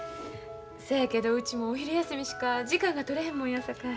せやけどうちもお昼休みしか時間が取れへんもんやさかい。